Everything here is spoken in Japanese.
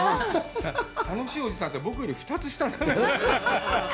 “楽しいおじさん”って、僕より２つ下なんだけど。